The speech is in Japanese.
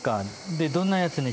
でどんなやつね？